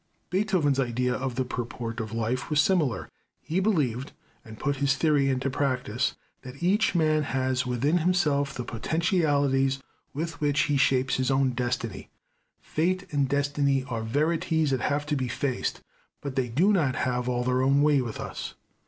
Beethoven's idea of the purport of life was similar. He believed, and put his theory into practice, that each man has within himself the potentialities with which he shapes his own destiny. Fate and Destiny are verities that have to be faced, but they do not have all their own way with us.